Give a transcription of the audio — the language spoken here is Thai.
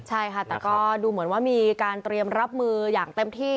ใช่ค่ะแต่ก็ดูเหมือนว่ามีการเตรียมรับมืออย่างเต็มที่